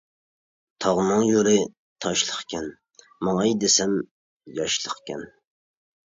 تاغنىڭ يولى تاشلىقكەن، ماڭماي دېسەم ياشلىقكەن.